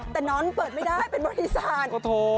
แต่นอนเปิดไม่ได้เป็นบริษัท